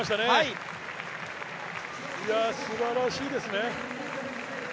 すばらしいですね。